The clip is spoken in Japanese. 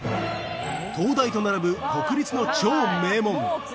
東大と並ぶ国立の超名門